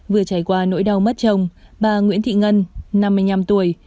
vừa trải qua nỗi đau mất chồng bà nguyễn thị ngân năm mươi năm tuổi